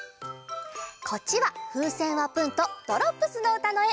こっちは「ふうせんはプン」と「ドロップスのうた」のえ！